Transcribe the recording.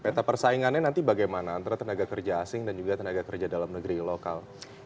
peta persaingannya nanti bagaimana antara tenaga kerja asing dan juga tenaga kerja dalam negeri lokal